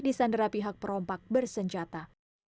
disandara pihak perompak bersenjata